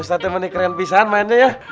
ustadznya mau nikren pisahan mainnya ya